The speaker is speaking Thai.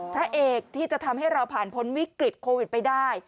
พระเอกที่จะทำให้เราผ่านพ้นวิกฤตโควิดไปได้